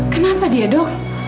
kenapa dia dok